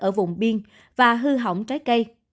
ở vùng biên và hư hỏng trái cây